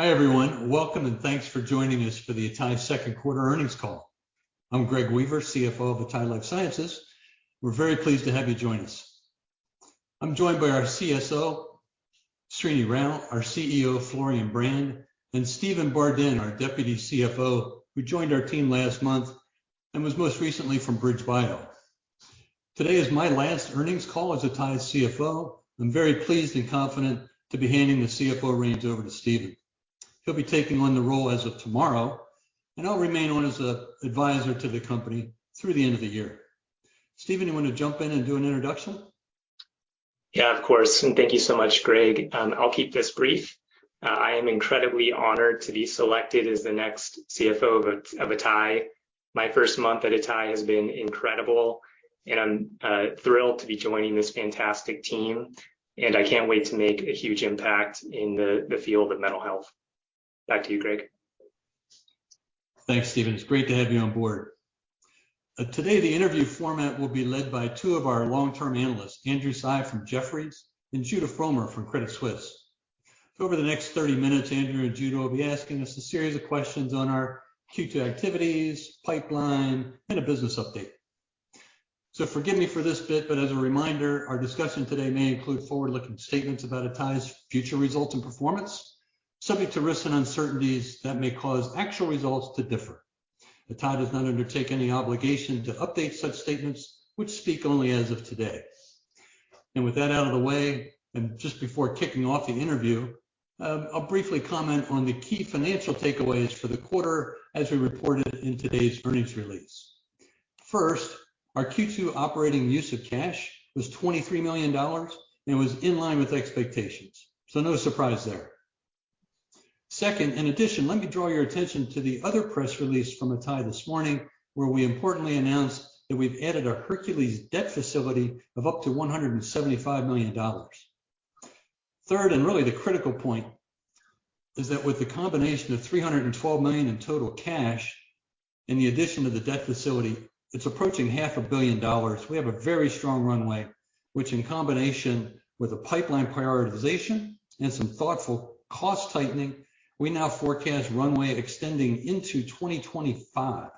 Hi, everyone. Welcome and thanks for joining us for the Atai Q2 earnings call. I'm Greg Weaver, CFO of Atai Life Sciences. We're very pleased to have you join us. I'm joined by our CSO, Srini Rao, our CEO, Florian Brand, and Stephen Bardin, our Deputy CFO, who joined our team last month and was most recently from BridgeBio. Today is my last earnings call as Atai's CFO. I'm very pleased and confident to be handing the CFO reins over to Stephen. He'll be taking on the role as of tomorrow, and I'll remain on as a advisor to the company through the end of the year. Stephen, you want to jump in and do an introduction? Yeah, of course. Thank you so much, Greg. I'll keep this brief. I am incredibly honored to be selected as the next CFO of atai. My first month at atai has been incredible, and I'm thrilled to be joining this fantastic team, and I can't wait to make a huge impact in the field of mental health. Back to you, Greg. Thanks, Stephen. It's great to have you on board. Today, the interview format will be led by two of our long-term analysts, Andrew Tsai from Jefferies and Judah Frommer from Credit Suisse. Over the next 30 minutes, Andrew and Judah will be asking us a series of questions on our Q2 activities, pipeline, and a business update. So forgive me for this bit, but as a reminder, our discussion today may include forward-looking statements about Atai's future results and performance, subject to risks and uncertainties that may cause actual results to differ. Atai does not undertake any obligation to update such statements, which speak only as of today. With that out of the way, and just before kicking off the interview, I'll briefly comment on the key financial takeaways for the quarter as we reported in today's earnings release. First, our Q2 operating use of cash was $23 million, and it was in line with expectations. So no surprise there. Second, in addition, let me draw your attention to the other press release from Atai this morning, where we importantly announced that we've added a Hercules Capital debt facility of up to $175 million. Third, and really the critical point, is that with the combination of $312 million in total cash and the addition to the debt facility, it's approaching half a billion dollars. We have a very strong runway, which in combination with a pipeline prioritization and some thoughtful cost tightening, we now forecast runway extending into 2025.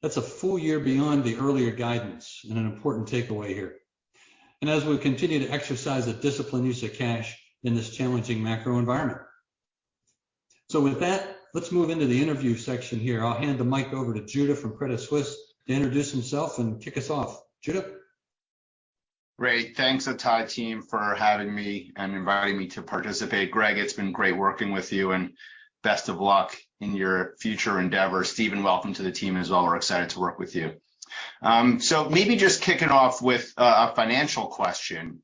That's a full year beyond the earlier guidance and an important takeaway here. As we continue to exercise a disciplined use of cash in this challenging macro environment. With that, let's move into the interview section here. I'll hand the mic over to Judah Frommer from Credit Suisse to introduce himself and kick us off. Judah? Great. Thanks, Atai team, for having me and inviting me to participate. Greg, it's been great working with you and best of luck in your future endeavors. Stephen, welcome to the team as well. We're excited to work with you. Maybe just kicking off with a financial question.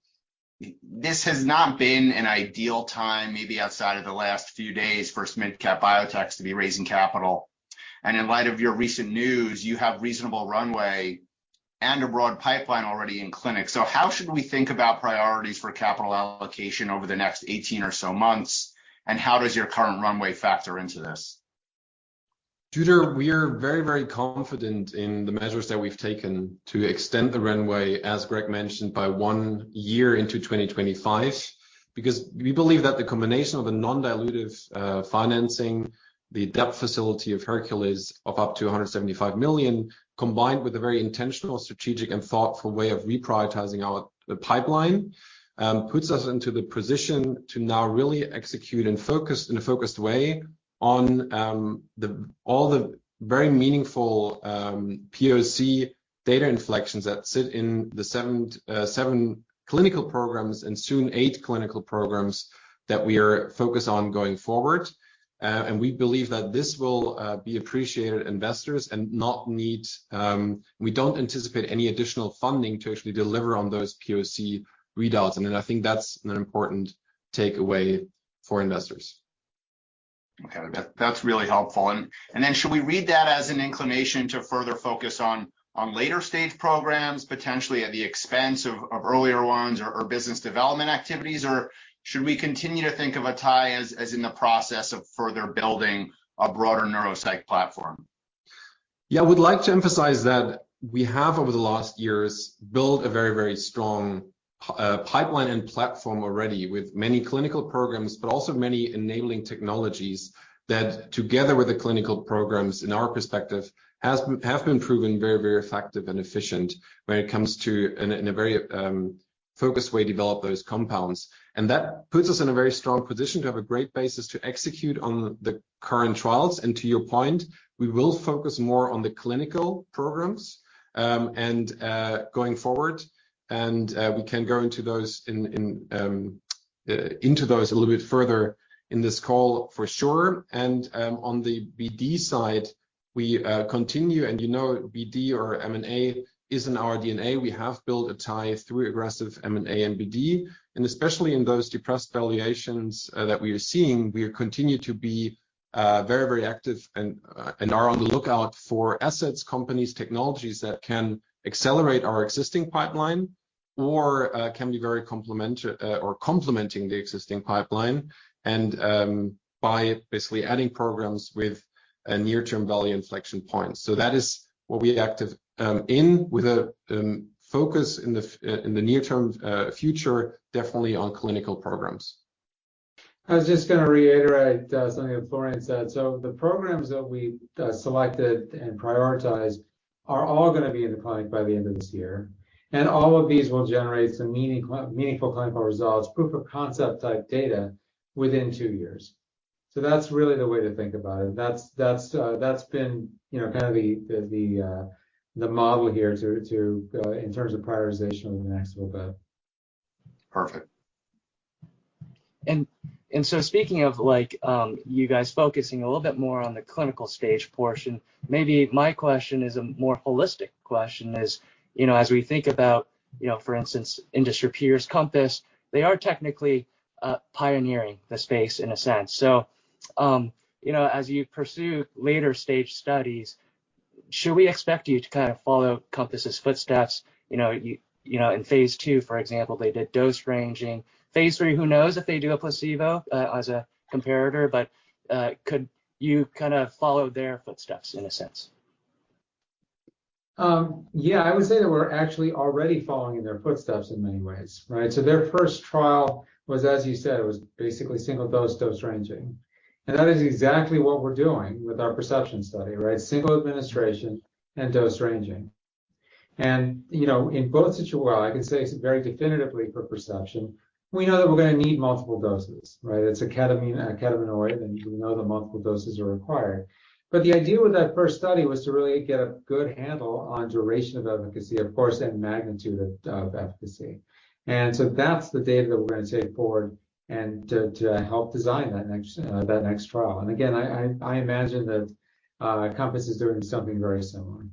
This has not been an ideal time, maybe outside of the last few days for mid-cap biotechs to be raising capital. In light of your recent news, you have reasonable runway and a broad pipeline already in clinic. How should we think about priorities for capital allocation over the next 18 or so months? How does your current runway factor into this? Judah, we are very, very confident in the measures that we've taken to extend the runway, as Greg mentioned, by one year into 2025, because we believe that the combination of a non-dilutive financing, the debt facility of Hercules Capital of up to $175 million, combined with a very intentional, strategic, and thoughtful way of reprioritizing our pipeline, puts us into the position to now really execute and focus in a focused way on all the very meaningful POC data inflections that sit in the seven clinical programs and soon eight clinical programs that we are focused on going forward. We believe that this will be appreciated by investors and not need any additional funding. We don't anticipate any additional funding to actually deliver on those POC readouts. I think that's an important takeaway for investors. Okay. That's really helpful. Should we read that as an inclination to further focus on later stage programs, potentially at the expense of earlier ones or business development activities? Should we continue to think of Atai as in the process of further building a broader neuropsych platform? Yeah. We'd like to emphasize that we have over the last years built a very, very strong pipeline and platform already with many clinical programs, but also many enabling technologies that together with the clinical programs, in our perspective, have been proven very, very effective and efficient when it comes to in a very focused way develop those compounds. That puts us in a very strong position to have a great basis to execute on the current trials. To your point, we will focus more on the clinical programs and going forward. We can go into those a little bit further in this call for sure. On the BD side, we continue, and you know BD or M&A is in our DNA. We have built Atai through aggressive M&A and BD. Especially in those depressed valuations that we are seeing, we continue to be very, very active and are on the lookout for assets, companies, technologies that can accelerate our existing pipeline or can be very complementary or complementing the existing pipeline and by basically adding programs with a near-term value inflection point. That is what we are active in with a focus in the near term future, definitely on clinical programs. I was just going to reiterate something that Florian said. The programs that we selected and prioritized are all going to be in the clinic by the end of this year, and all of these will generate some meaningful clinical results, proof-of-concept type data within two years. That's really the way to think about it. That's been, you know, kind of the model here to in terms of prioritization over the next little bit. Perfect. Speaking of, like, you guys focusing a little bit more on the clinical stage portion, maybe my question is a more holistic question is, you know, as we think about, you know, for instance, industry peers, Compass, they are technically pioneering the space in a sense. You know, as you pursue later-stage studies, should we expect you to kind of follow Compass's footsteps? You know, in phase II, for example, they did dose ranging. Phase III, who knows if they do a placebo as a comparator, but could you kind of follow their footsteps in a sense? Yeah, I would say that we're actually already following in their footsteps in many ways, right? Their first trial was, as you said, basically single dose ranging. That is exactly what we're doing with our Perception study, right? Single administration and dose ranging. You know, well, I can say something very definitively for Perception, we know that we're going to need multiple doses, right? It's a ketamine, a ketaminoid, and we know that multiple doses are required. The idea with that first study was to really get a good handle on duration of efficacy, of course, and magnitude of efficacy. That's the data that we're going to take forward to help design that next trial. Again, I imagine that Compass is doing something very similar.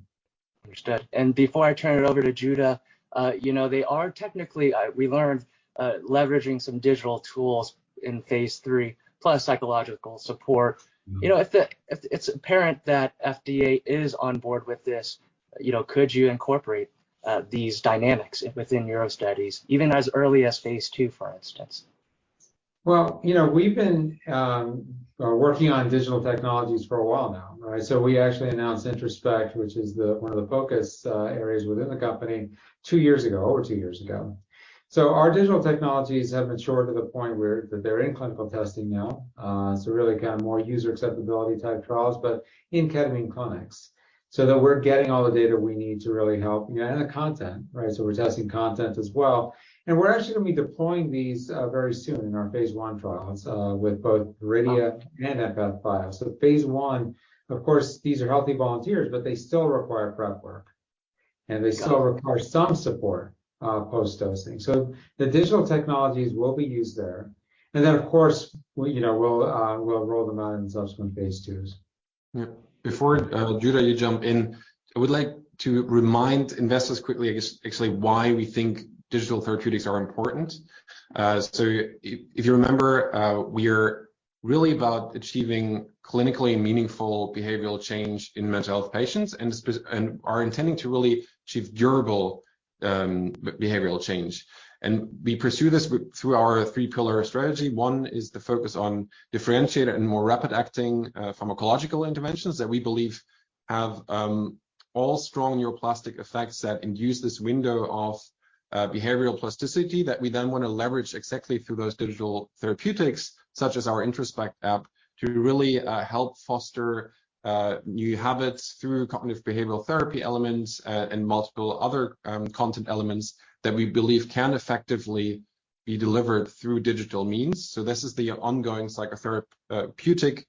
Understood. Before I turn it over to Judah, you know, they are technically leveraging some digital tools in phase III, plus psychological support. You know, if it's apparent that FDA is on board with this, you know, could you incorporate these dynamics within your studies, even as early as phase II, for instance? Well, you know, we've been working on digital technologies for a while now, right? We actually announced Introspect, which is one of the focus areas within the company, two years ago, over two years ago. Our digital technologies have matured to the point where they're in clinical testing now, really kind of more user acceptability type trials, but in ketamine clinics, so that we're getting all the data we need to really help, you know, and the content, right? We're testing content as well. We're actually going to be deploying these very soon in our phase I trials with both uncertain and EmpathBio. Phase I, of course, these are healthy volunteers, but they still require prep work, and they still require some support post-dosing. The digital technologies will be used there. Of course, we, you know, we'll roll them out in subsequent phase IIs. Yeah. Before, Judah, you jump in, I would like to remind investors quickly, I guess, actually, why we think digital therapeutics are important. If you remember, we are really about achieving clinically meaningful behavioral change in mental health patients and are intending to really achieve durable behavioral change. We pursue this through our three-pillar strategy. One is the focus on differentiated and more rapid acting pharmacological interventions that we believe have all strong neuroplastic effects that induce this window of behavioral plasticity that we then want to leverage exactly through those digital therapeutics, such as our Introspect app, to really help foster new habits through cognitive behavioral therapy elements and multiple other content elements that we believe can effectively be delivered through digital means. This is the ongoing psychotherapeutic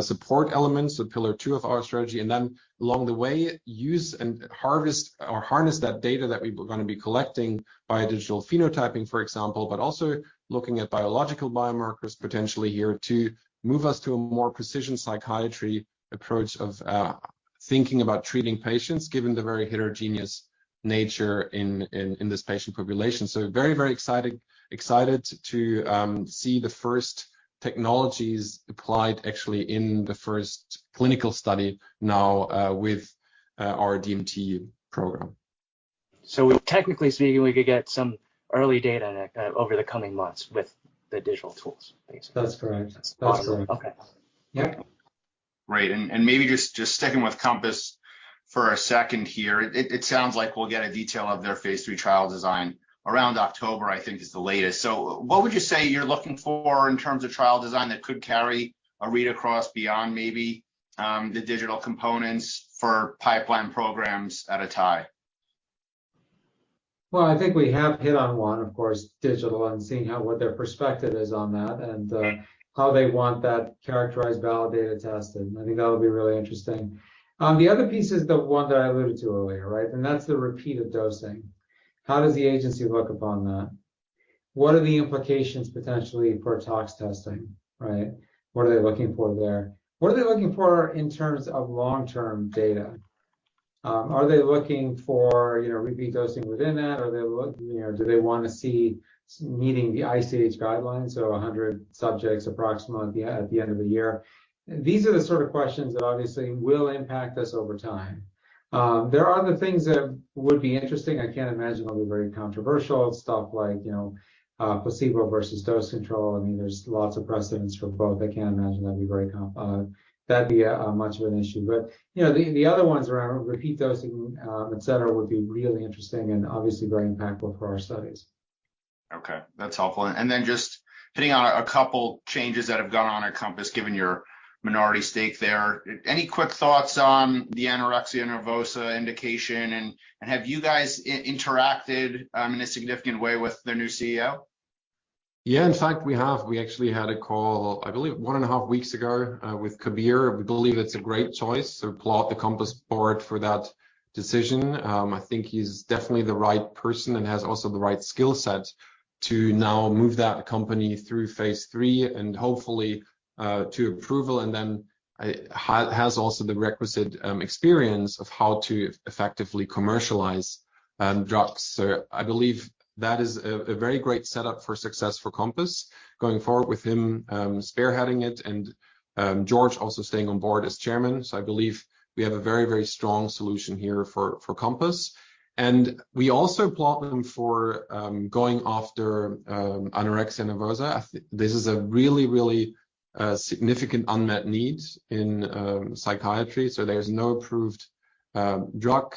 support elements, the pillar two of our strategy. Then along the way, use and harvest or harness that data that we gonna be collecting by digital phenotyping, for example, but also looking at biological biomarkers potentially here to move us to a more precision psychiatry approach of thinking about treating patients, given the very heterogeneous nature in this patient population. Very excited to see the first technologies applied actually in the first clinical study now with our DMT program. Technically speaking, we could get some early data over the coming months with the digital tools, basically. That's correct. That's correct. Awesome. Okay. Yeah. Right. Maybe just sticking with Compass for a second here. It sounds like we'll get details of their phase III trial design around October, I think, is the latest. What would you say you're looking for in terms of trial design that could carry a read across beyond maybe the digital components for pipeline programs at Atai? Well, I think we have hit on one, of course, digital and seeing how, what their perspective is on that and, how they want that characterized, validated, tested. I think that'll be really interesting. The other piece is the one that I alluded to earlier, right? And that's the repeated dosing. How does the agency look upon that? What are the implications potentially for tox testing, right? What are they looking for there? What are they looking for in terms of long-term data? Are they looking for, you know, repeat dosing within that? You know, do they want to see meeting the ICH guidelines, so 100 subjects approximately at the end of the year? These are the sort of questions that obviously will impact us over time. There are other things that would be interesting. I can't imagine they'll be very controversial, stuff like, you know, placebo versus dose control. I mean, there's lots of precedents for both. I can't imagine that'd be much of an issue. You know, the other ones around repeat dosing, et cetera, would be really interesting and obviously very impactful for our studies. Okay, that's helpful. Just hitting on a couple changes that have gone on at Compass, given your minority stake there. Any quick thoughts on the anorexia nervosa indication? Have you guys interacted in a significant way with their new CEO? Yeah, in fact, we have. We actually had a call, I believe, one and half weeks ago, with Kabir. We believe it's a great choice. Applaud the Compass board for that decision. I think he's definitely the right person and has also the right skill set to now move that company through phase three and hopefully to approval. Then has also the requisite experience of how to effectively commercialize drugs. I believe that is a very great setup for success for Compass going forward with him spearheading it and George also staying on board as chairman. I believe we have a very, very strong solution here for Compass. We also applaud them for going after anorexia nervosa. This is a really significant unmet need in psychiatry, so there's no approved drug.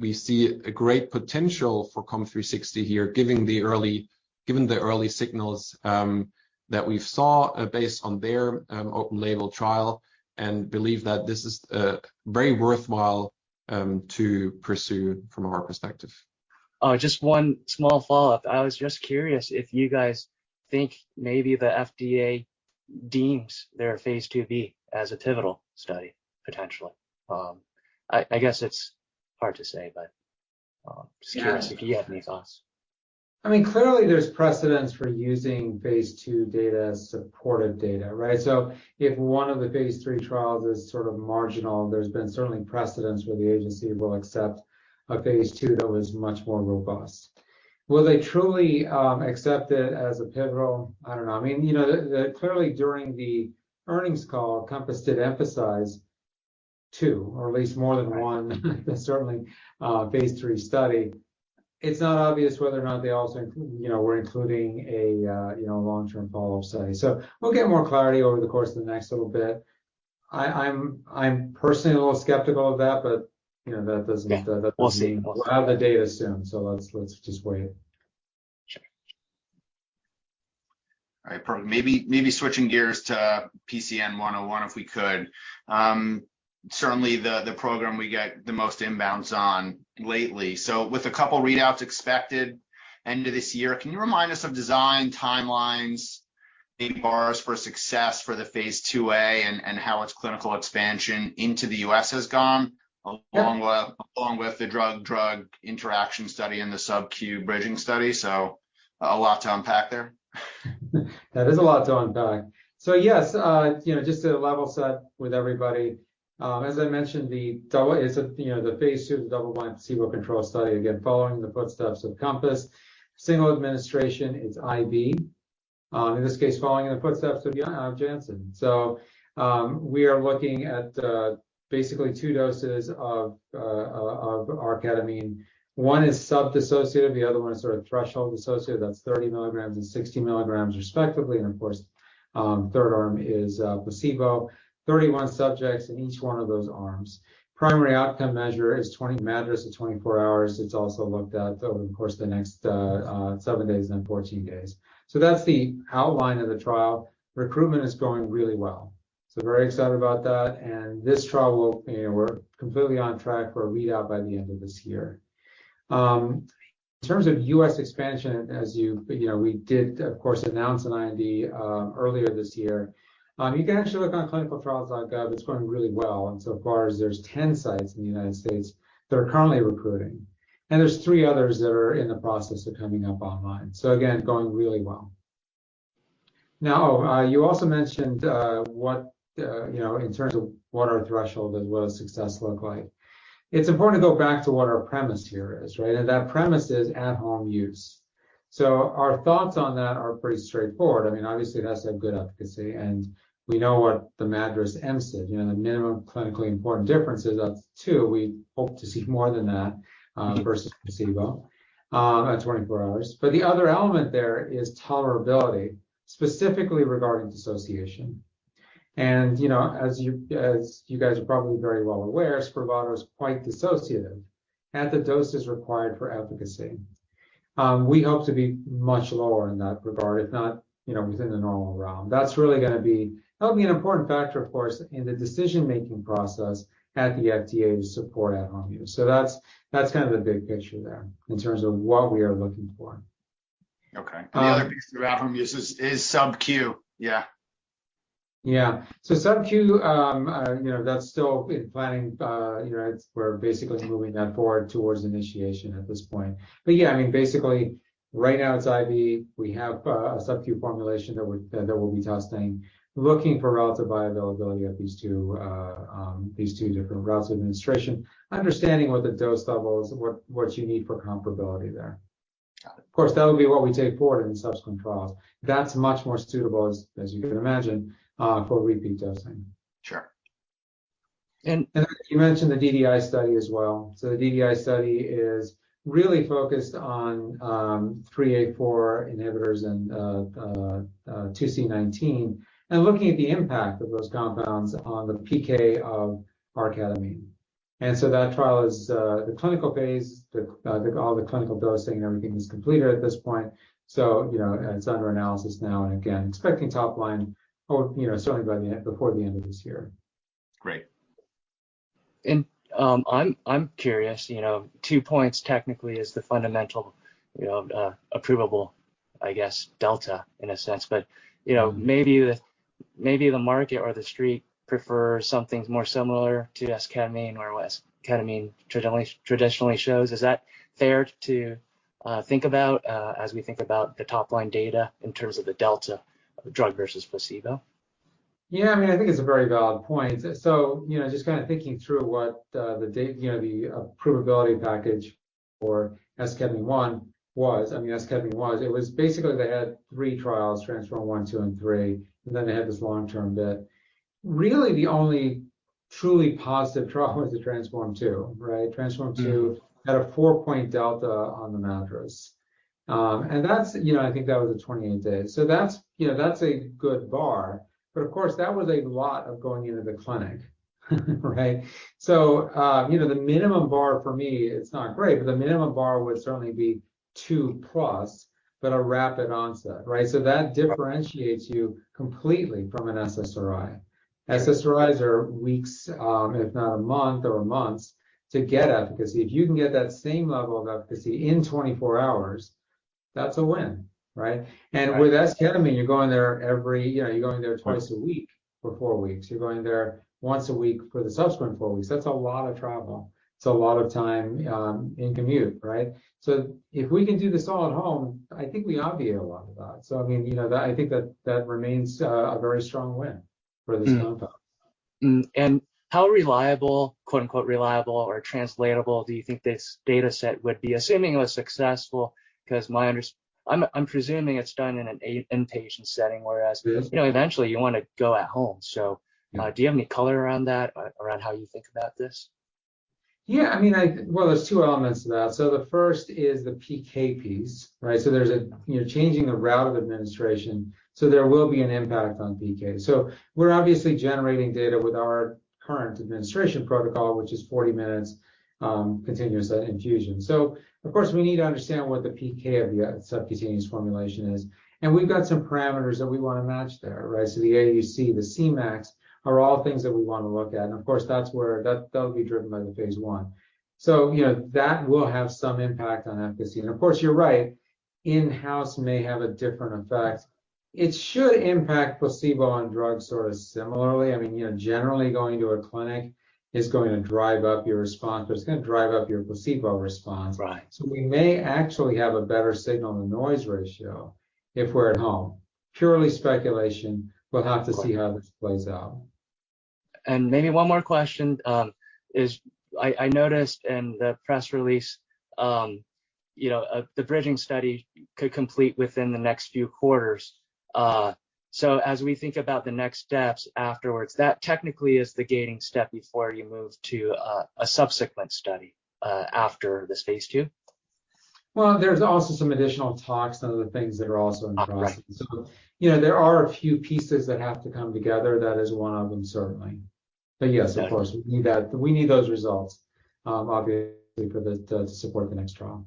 We see a great potential for COMP360 here, given the early signals that we saw based on their open label trial, and believe that this is very worthwhile to pursue from our perspective. Just one small follow-up. I was just curious if you guys think maybe the FDA deems their phase IIb as a pivotal study, potentially. I guess it's hard to say, but just curious if you have any thoughts. I mean, clearly there's precedent for using phase II data as supportive data, right? If one of the phase three trials is sort of marginal, there's been certainly precedent where the agency will accept a phase II that was much more robust. Will they truly accept it as a pivotal? I don't know. I mean, you know, clearly during the earnings call, Compass did emphasize two, or at least more than one, certainly phase III study. It's not obvious whether or not they also were including a long-term follow-up study. We'll get more clarity over the course of the next little bit. I'm personally a little skeptical of that, but, you know, that doesn't. Yeah. We'll see. We'll have the data soon, so let's just wait. Sure. All right. Maybe switching gears to R-PCN-101, if we could. Certainly, the program we get the most inbounds on lately. With a couple readouts expected end of this year, can you remind us of design timelines, any bars for success for the phase IIA and how its clinical expansion into the U.S. has gone along with the drug-drug interaction study and the subQ bridging study? A lot to unpack there. That is a lot to unpack. Yes, you know, just to level set with everybody, as I mentioned, It's a, you know, the phase II, the double-blind placebo-controlled study, again, following the footsteps of Compass. Single administration, it's IV. In this case, following in the footsteps of Janssen. We are looking at basically two doses of R-ketamine. One is sub-dissociative; the other one is sort of threshold dissociative. That's 30 mg and 60 mg respectively. And of course, third arm is placebo. 31 subjects in each one of those arms. Primary outcome measure is 20 MADRS at 24 hours. It's also looked at over the course of the next seven days and 14 days. That's the outline of the trial. Recruitment is going really well. Very excited about that. This trial will, you know, we're completely on track for a readout by the end of this year. In terms of U.S. expansion, you know, we did, of course, announce an IND earlier this year. You can actually look on ClinicalTrials.gov. It's going really well. So far, there's 10 sites in the United States that are currently recruiting. There's three others that are in the process of coming up online. Again, going really well. Now, you also mentioned what you know in terms of what our threshold as well as success look like. It's important to go back to what our premise here is, right? That premise is at-home use. Our thoughts on that are pretty straightforward. I mean, obviously, it has to have good efficacy, and we know what the MADRS MCID, you know, the minimum clinically important difference is up to two. We hope to see more than that versus placebo at 24 hours. The other element there is tolerability, specifically regarding dissociation. You know, as you guys are probably very well aware, esketamine is quite dissociative at the doses required for efficacy. We hope to be much lower in that regard, if not, you know, within the normal realm. That's really gonna be, that'll be an important factor, of course, in the decision-making process at the FDA to support at-home use. That's kind of the big picture there in terms of what we are looking for. Okay. The other piece of at-home use is subQ. Yeah. Yeah. subQ, you know, that's still in planning. You know, we're basically moving that forward towards initiation at this point. Yeah, I mean, basically right now it's IV. We have a subQ formulation that we'll be testing, looking for relative bioavailability of these two different routes of administration, understanding what the dose levels, what you need for comparability there. Got it. Of course, that would be what we take forward in subsequent trials. That's much more suitable, as you can imagine, for repeat dosing. Sure. You mentioned the DDI study as well. The DDI study is really focused on CYP3A4 inhibitors and CYP2C19 and looking at the impact of those compounds on the PK of R-ketamine. That trial is the clinical phase, all the clinical dosing and everything is completed at this point. It's under analysis now and again, expecting top-line or certainly before the end of this year. Great. I'm curious, you know, two points technically is the fundamental, you know, approvable, I guess, delta in a sense. Maybe the market or the street prefers something more similar to esketamine or what esketamine traditionally shows. Is that fair to think about as we think about the top-line data in terms of the delta of the drug versus placebo? Yeah, I mean, I think it's a very valid point. You know, just kind of thinking through what you know, the approvability package for esketamine one was. I mean, esketamine was. It was basically they had three trials, TRANSFORM-1, TRANSFORM-2, and TRANSFORM-3, and then they had this long-term bit. Really, the only truly positive trial was the TRANSFORM-2, right? TRANSFORM-2 had a 4-point delta on the MADRS. And that's, you know, I think that was at 28 days. That's, you know, that's a good bar. But of course, that was a lot of going into the clinic, right? You know, the minimum bar for me, it's not great, but the minimum bar would certainly be 2+, but a rapid onset, right? That differentiates you completely from an SSRI. SSRIs are weeks, if not a month or months to get efficacy. If you can get that same level of efficacy in 24 hours, that's a win, right? Right. With esketamine, you know, you're going there twice a week for four weeks. You're going there once a week for the subsequent four weeks. That's a lot of travel. It's a lot of time in commute, right? If we can do this all at home, I think we obviate a lot of that. I mean, you know, that I think that remains a very strong win for this compound. How reliable, quote-unquote "reliable" or translatable do you think this data set would be, assuming it was successful? 'Cause I'm presuming it's done in an inpatient setting, whereas Yes... you know, eventually you wanna go at home. Do you have any color around that, around how you think about this? Yeah, I mean, Well, there's two elements to that. The first is the PK piece, right? There's a, you know, changing of route of administration, so there will be an impact on PK. We're obviously generating data with our current administration protocol, which is 40 minutes continuous infusion. Of course, we need to understand what the PK of the subcutaneous formulation is. We've got some parameters that we want to match there, right? The AUC, the Cmax are all things that we want to look at. Of course, that's where that'll be driven by the phase I. You know, that will have some impact on efficacy. Of course, you're right, in-house may have a different effect. It should impact placebo and drug sort of similarly. I mean, you know, generally going to a clinic is going to drive up your response. It's going to drive up your placebo response. Right. We may actually have a better signal-to-noise ratio if we're at home. Purely speculation. We'll have to see how this plays out. Maybe one more question, I noticed in the press release, you know, the bridging study could complete within the next few quarters. As we think about the next steps afterwards, that technically is the gating step before you move to a subsequent study after this phase II. Well, there's also some additional talks, some of the things that are also in process. Right. You know, there are a few pieces that have to come together. That is one of them, certainly. Yes, of course, we need that. We need those results, obviously to support the next trial.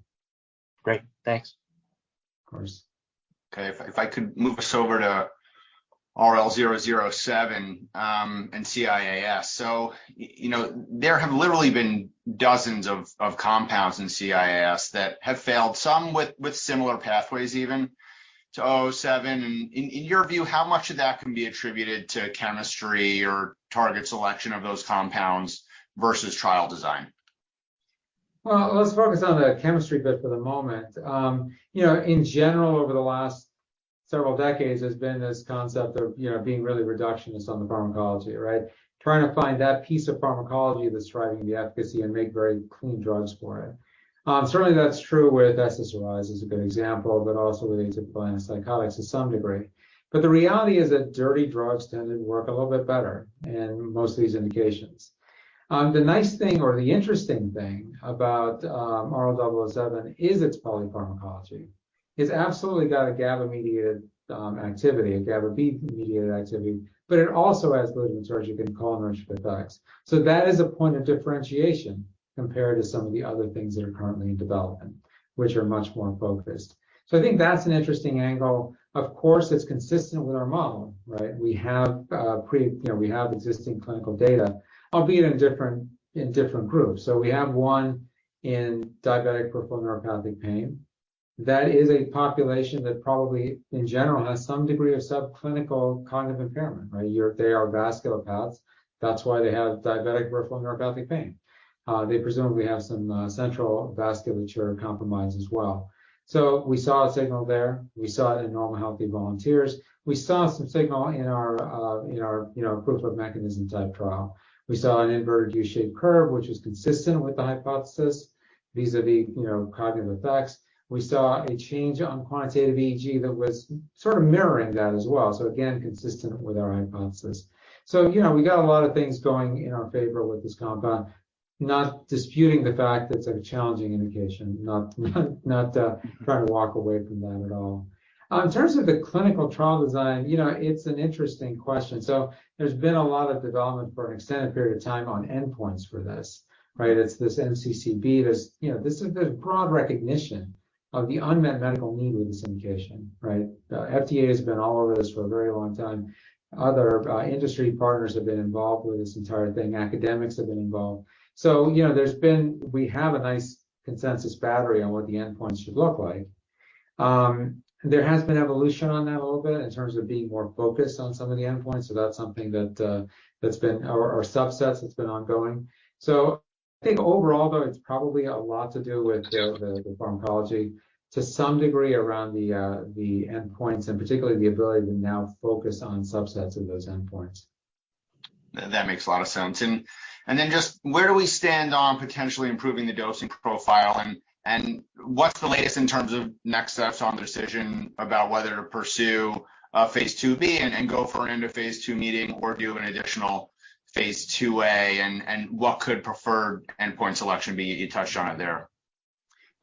Great. Thanks. Of course. Okay. If I could move us over to RL-007 and CIAS. You know, there have literally been dozens of compounds in CIAS that have failed, some with similar pathways even to RL-007. In your view, how much of that can be attributed to chemistry or target selection of those compounds versus trial design? Well, let's focus on the chemistry bit for the moment. You know, in general, over the last several decades, there's been this concept of, you know, being really reductionist on the pharmacology, right? Trying to find that piece of pharmacology that's driving the efficacy and make very clean drugs for it. Certainly that's true with SSRIs is a good example, but also with atypical antipsychotics to some degree. But the reality is that dirty drugs tend to work a little bit better in most of these indications. The nice thing or the interesting thing about RL-007 is its polypharmacology. It's absolutely got a GABA-mediated activity, a GABA-B-mediated activity, but it also has glutamatergic and cholinergic effects. That is a point of differentiation compared to some of the other things that are currently in development, which are much more focused. I think that's an interesting angle. Of course, it's consistent with our model, right? You know, we have existing clinical data, albeit in different groups. We have one in diabetic peripheral neuropathic pain. That is a population that probably in general has some degree of subclinical cognitive impairment, right? They are vasculopaths. That's why they have diabetic peripheral neuropathic pain. They presumably have some central vasculature compromise as well. We saw a signal there. We saw it in normal healthy volunteers. We saw some signal in our, you know, proof of mechanism type trial. We saw an inverted U-shaped curve, which is consistent with the hypothesis vis-à-vis, you know, cognitive effects. We saw a change on quantitative EEG that was sort of mirroring that as well. Again, consistent with our hypothesis. You know, we got a lot of things going in our favor with this compound. Not disputing the fact that it's a challenging indication. Not trying to walk away from that at all. In terms of the clinical trial design, you know, it's an interesting question. There's been a lot of development for an extended period of time on endpoints for this, right? It's this MCCB. You know, this is the broad recognition of the unmet medical need with this indication, right? FDA has been all over this for a very long time. Other industry partners have been involved with this entire thing. Academics have been involved. You know, we have a nice consensus battery on what the endpoints should look like. There has been evolution on that a little bit in terms of being more focused on some of the endpoints. That's something that that's been or subsets that's been ongoing. I think overall though, it's probably a lot to do with the pharmacology to some degree around the endpoints, and particularly the ability to now focus on subsets of those endpoints. That makes a lot of sense. Then just where do we stand on potentially improving the dosing profile? What's the latest in terms of next steps on the decision about whether to pursue a phase IIb and go for an end of phase II meeting or do an additional phase IIa? What could preferred endpoint selection be? You touched on it there.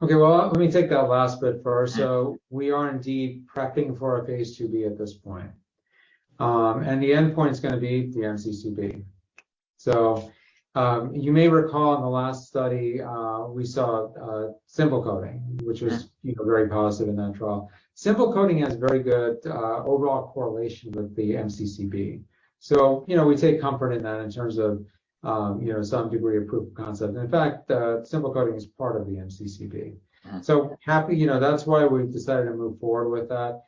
Okay, well, let me take that last bit first. Mm-hmm. We are indeed prepping for a phase IIb at this point. The endpoint is going to be the MCCB. You may recall in the last study, we saw Symbol Coding, which was, you know, very positive in that trial. Symbol Coding has very good overall correlation with the MCCB. You know, we take comfort in that in terms of you know, some degree of proof of concept. In fact, Symbol Coding is part of the MCCB. Mm-hmm. You know, that's why we've decided to move forward with that.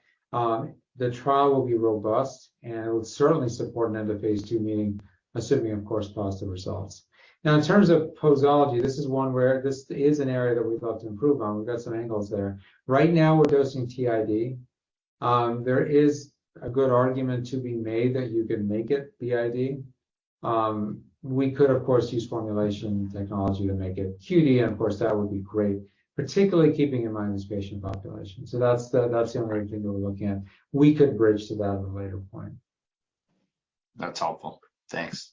The trial will be robust, and it will certainly support an end of phase II meeting, assuming of course positive results. Now, in terms of posology, this is one where this is an area that we'd love to improve on. We've got some angles there. Right now, we're dosing TID. There is a good argument to be made that you can make it BID. We could of course use formulation technology to make it QD, and of course that would be great, particularly keeping in mind this patient population. That's the only thing that we're looking at. We could bridge to that at a later point. That's helpful. Thanks.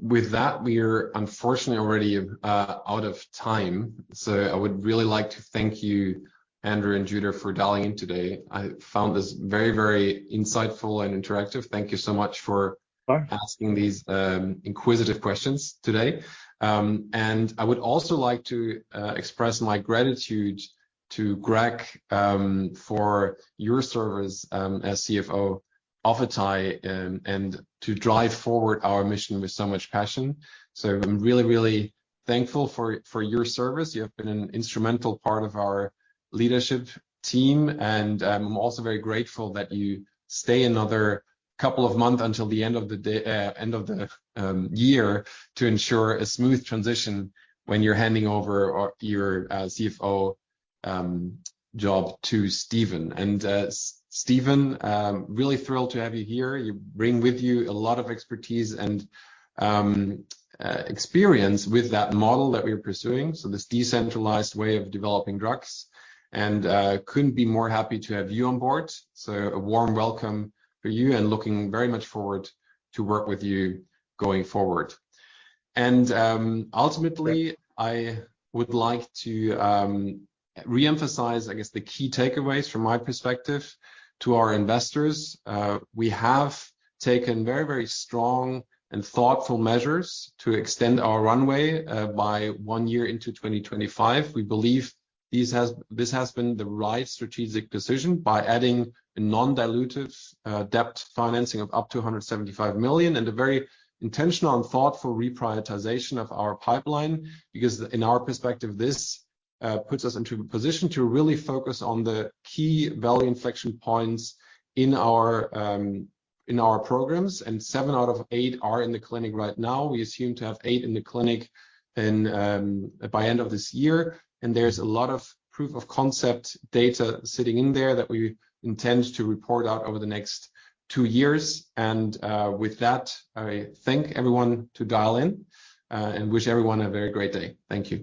With that, we're unfortunately already out of time. I would really like to thank you, Andrew and Judah, for dialing in today. I found this very, very insightful and interactive. Thank you so much for Of course. Asking these inquisitive questions today. I would also like to express my gratitude to Greg for your service as CFO of atai and to drive forward our mission with so much passion. I'm really thankful for your service. You have been an instrumental part of our leadership team, and I'm also very grateful that you stay another couple of months until the end of the year to ensure a smooth transition when you're handing over your CFO job to Stephen. Stephen, really thrilled to have you here. You bring with you a lot of expertise and experience with that model that we are pursuing, so this decentralized way of developing drugs, and couldn't be more happy to have you on board. A warm welcome for you and looking very much forward to work with you going forward. Ultimately, I would like to reemphasize, I guess, the key takeaways from my perspective to our investors. We have taken very, very strong and thoughtful measures to extend our runway by one year into 2025. We believe this has been the right strategic decision by adding a non-dilutive debt financing of up to $175 million, and a very intentional and thoughtful reprioritization of our pipeline. Because in our perspective, this puts us into a position to really focus on the key value inflection points in our programs, and seven out of eight are in the clinic right now. We assume to have eight in the clinic by end of this year. There's a lot of proof of concept data sitting in there that we intend to report out over the next two years. With that, I thank everyone for dialing in, and wish everyone a very great day. Thank you.